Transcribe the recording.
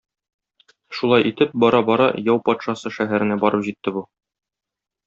Шулай итеп, бара-бара, яу патшасы шәһәренә барып җитте бу.